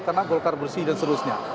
karena golkar bersih dan seterusnya